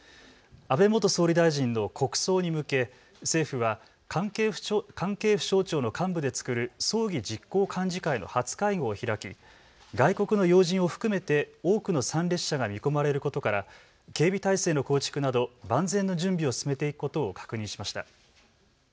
安倍元総理大臣の国葬に向け政府は関係府省庁の幹部で作る葬儀実行幹事会の初会合を開き外国の要人を含めて多くの参列者が見込まれることから警備態勢の構築など万全の準備を進めていくことを確認しました。